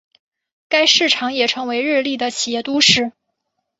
该市场也成为日立的的企业都市。